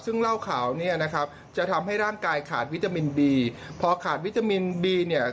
ซึ่งเล่าข่าวเนี่ยนะครับจะทำให้ร่างกายขาดวิตามินบีพอขาดวิตามินบีเนี่ย